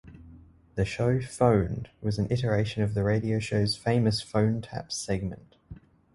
The show Phowned, was an iteration of the radio show's famous Phone Taps segment.